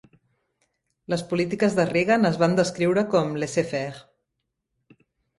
Les polítiques de Reagan es van descriure com "laissez-faire".